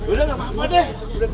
udah gak apa apa deh